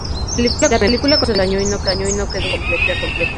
La película con el tiempo se dañó y no quedó una copia completa.